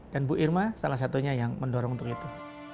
dan bu irma salah satunya yang mendorong untuk itu